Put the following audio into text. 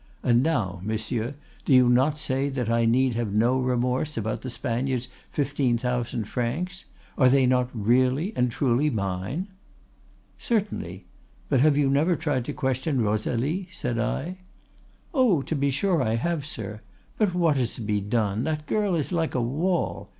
—And now, monsieur, do not you say that I need have no remorse about the Spaniard's fifteen thousand francs? Are they not really and truly mine?' "'Certainly.—But have you never tried to question Rosalie?' said I. "'Oh, to be sure I have, sir. But what is to be done? That girl is like a wall.